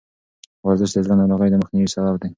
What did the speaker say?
ورزش د زړه ناروغیو د مخنیوي سبب دی.